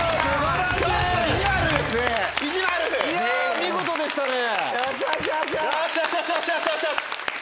いや見事でしたね！